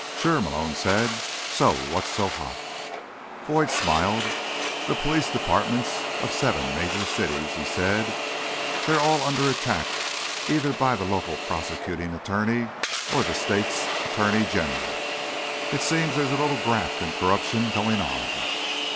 "Sure," Malone said. "So what's so hot?" Boyd smiled. "The police departments of seven major cities," he said. "They're all under attack either by the local prosecuting attorney or the state's attorney general. It seems there's a little graft and corruption going on."